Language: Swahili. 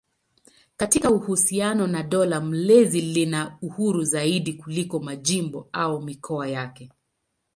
Katika uhusiano na dola mlezi lina uhuru zaidi kuliko majimbo au mikoa yake.